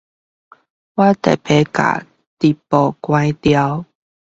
我特別把直播關掉